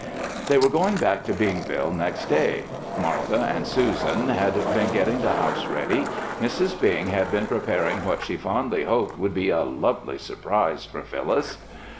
They were going back to Bingville next day. Martha and Susan had been getting the house ready. Mrs. Bing had been preparing what she fondly hoped would be "a lovely surprise" for Phyllis.